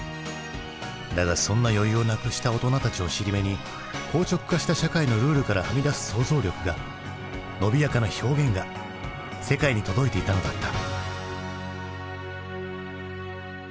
だがそんな余裕をなくした大人たちを尻目に硬直化した社会のルールからはみ出す想像力がのびやかな表現が世界に届いていたのだった。